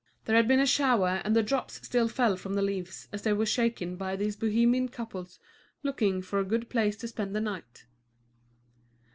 There had been a shower and the drops still fell from the leaves as they were shaken by these bohemian couples looking for a good place to spend the night.